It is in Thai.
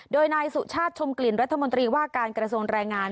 โดยนายสุชาติชมกลิ่นรัฐมนตรีว่าการกระทรวงแรงงาน